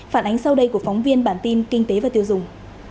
phản ánh sau đây của phóng viên bản tin kinh tế và tiêu dùng